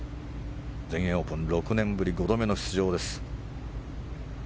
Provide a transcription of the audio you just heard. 全英オープン、６年ぶり５度目の出場です。